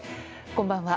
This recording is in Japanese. こんばんは。